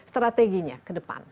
strateginya ke depan